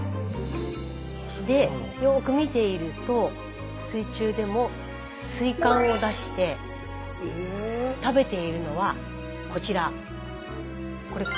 でよく見ていると水中でも水管を出して食べているのはこちら。